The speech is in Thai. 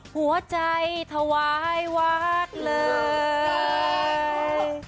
หัวใจถวายวัดเลย